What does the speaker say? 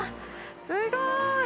すごーい。